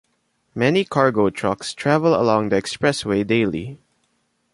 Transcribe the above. Many cargo trucks travel along the expressway daily.